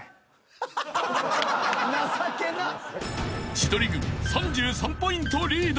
［千鳥軍３３ポイントリード。